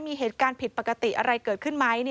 มีเหตุการณ์ผิดปกติอะไรเกิดขึ้นไหม